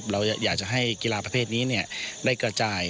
เราอยากจะให้กีฬาประเภทนี้ได้กระจาย